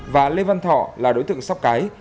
và lê văn thọ là đối tượng sóc cái